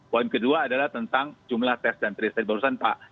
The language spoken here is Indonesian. poin kedua adalah tentang jumlah tes dan tristet barusan pak